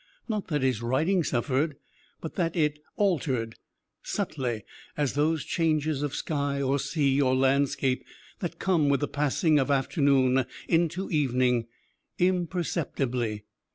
Not that his writing suffered, but that it altered, subtly as those changes of sky or sea or landscape that come with the passing of afternoon into evening imperceptibly.